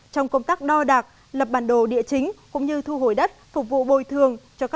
trong công tác đo đạc lập bản đồ địa chính cũng như thu hồi đất phục vụ bồi thường